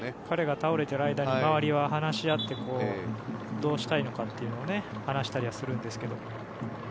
彼が倒れている間に周りが話し合ってどうしたいのかというのを話したりはするんですが。